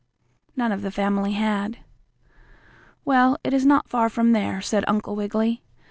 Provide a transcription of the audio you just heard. None of the family had. "Well, it is not far from there," said Uncle Wiggily.